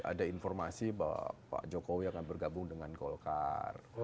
ada informasi bahwa pak jokowi akan bergabung dengan golkar